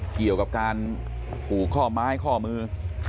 เกี่ยวกับการผูกข้อไม้ข้อมือ